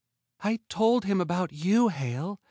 "I told him about you, Hale.